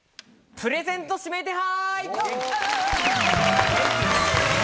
プレゼント指名手配！